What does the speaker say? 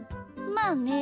まあね。